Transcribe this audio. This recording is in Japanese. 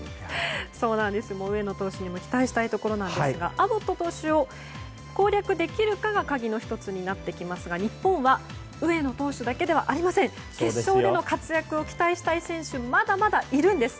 上野投手にも期待したいところですがアボット投手を攻略できるかが鍵の１つですが日本は上野投手だけではありません決勝での活躍を期待したい選手まだまだいるんです。